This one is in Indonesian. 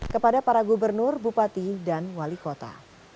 kepada para gubernur bupati dan wali kota